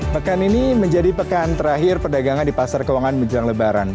pekan ini menjadi pekan terakhir perdagangan di pasar keuangan menjelang lebaran